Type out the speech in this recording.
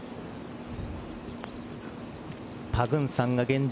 パグンサンが現状